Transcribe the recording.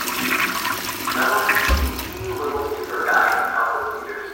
I want to see Teeny Little Super Guy at Malco Theatres